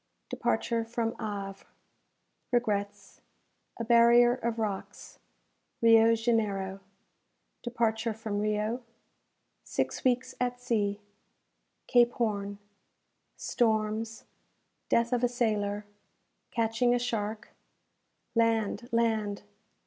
Departure from Havre Regrets A Barrier of Rocks Rio Janeiro Departure from Rio Six Weeks at Sea Cape Horn Storms Death of a Sailor Catching a Shark Land! Land!